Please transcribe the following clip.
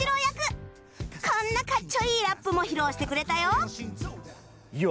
こんなかっちょいいラップも披露してくれたよ！